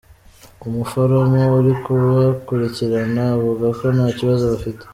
Umuforomo uri kubakurikirana avuga ko nta kibazo bafite.